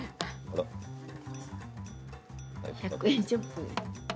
１００円ショップ。